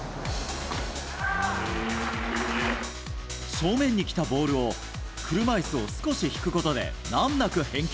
正面に来たボールを車いすを少し引くことで難なく返球。